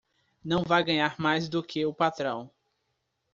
Não vai ganhar mais do que o patrão